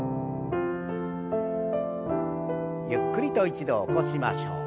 ゆっくりと一度起こしましょう。